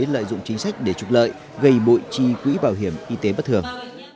lợi dụng chính sách để trục lợi gây bội chi quỹ bảo hiểm y tế bất thường